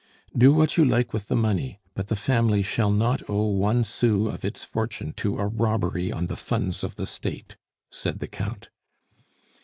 "Do what you like with the money; but the family shall not owe one sou of its fortune to a robbery on the funds of the State," said the Count.